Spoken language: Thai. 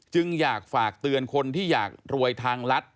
จึงอยากฝากเตือนคนที่อยากรวยทางรัฐ